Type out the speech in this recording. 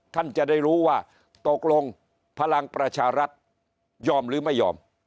ท่านจะได้รู้ว่าตกลงพลังประชารัฐยอมหรือไม่ยอม